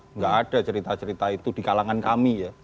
nggak ada cerita cerita itu di kalangan kami ya